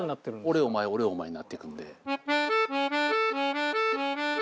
俺お前俺お前になっていくんで。